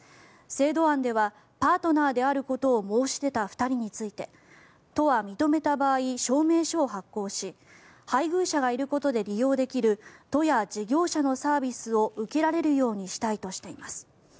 制度案ではパートナーであることを申し出た２人について都は認めた場合証明書を発行し配偶者がいることで利用できる都や事業者のサービスを受けられるようにしたいとしています。